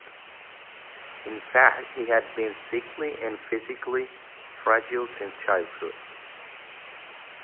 In fact he had been sickly and physically fragile since childhood.